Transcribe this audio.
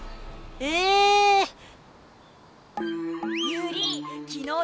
ユウリきのう